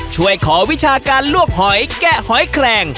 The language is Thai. ช่วยขอวิชาการลวกหอยแกะหอยแคลง